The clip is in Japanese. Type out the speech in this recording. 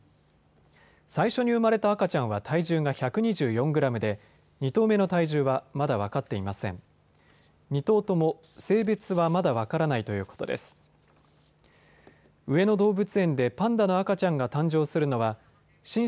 最初に生まれた赤ちゃんは体重が１２４グラムで２頭目の体重はまだ分かっていません。